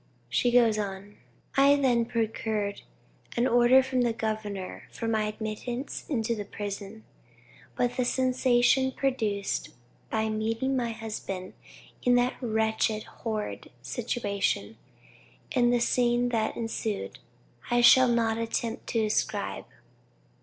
She goes on: "I then procured an order from the governor for my admittance into the prison, but the sensation produced by meeting my husband in that wretched, horrid situation, and the scene that ensued, I shall not attempt to describe.